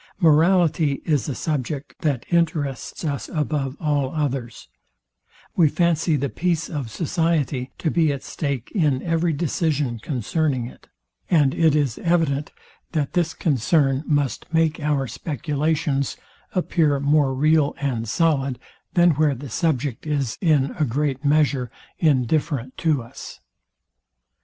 Morality is a subject that interests us above all others: We fancy the peace of society to be at stake in every decision concerning it; and it is evident, that this concern must make our speculations appear more real and solid, than where the subject is, in a great measure, indifferent to us.